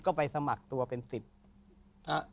ก็ไปสมัครตัวเป็นสิทธิ์